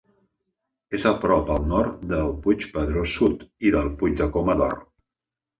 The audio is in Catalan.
És a prop al nord del Puig Pedrós Sud i del Puig de Coma d'Or.